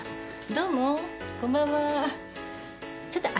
どうも。